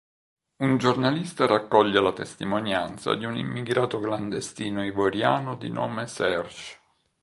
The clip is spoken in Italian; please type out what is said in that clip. Un giornalista raccoglie la testimonianza di un immigrato clandestino ivoriano di nome Serge.